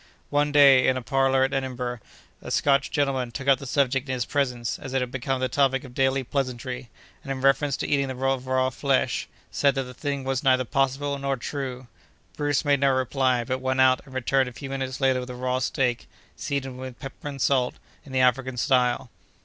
One day, in a parlor at Edinburgh, a Scotch gentleman took up the subject in his presence, as it had become the topic of daily pleasantry, and, in reference to the eating of raw flesh, said that the thing was neither possible nor true. Bruce made no reply, but went out and returned a few minutes later with a raw steak, seasoned with pepper and salt, in the African style.